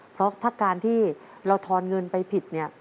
เพราะถ้าการที่เราทอนเงินไปผิดเนี่ย